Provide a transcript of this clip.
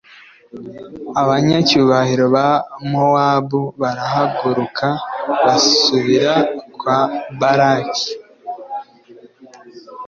abanyacyubahiro ba mowabu barahaguruka, basubira kwa balaki.